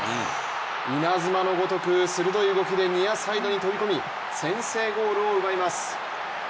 稲妻のごとく、鋭い動きでニアサイドに飛び込み、先制ゴールを奪います。